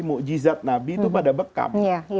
mu'jizat nabi itu pada bekam